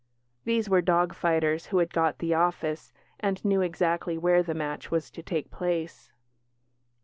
These were dog fighters who had got "the office", and knew exactly where the match was to take place.